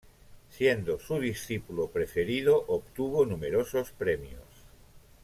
Siendo su discípulo preferido, obtuvo numerosos premios.